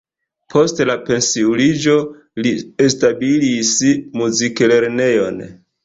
Post la pensiuliĝo li establis muziklernejon.